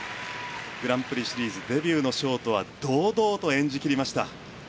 グランプリシリーズデビューのショートは堂々と演じ切りました。